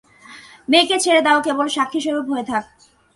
মায়াকে ছেড়ে দাও, কেবল সাক্ষিস্বরূপ হয়ে থাক।